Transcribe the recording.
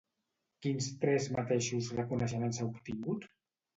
Quins tres mateixos reconeixements ha obtingut?